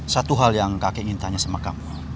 satu hal yang kakek ingin tanya sama kamu